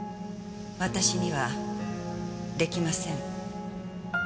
私には出来ません。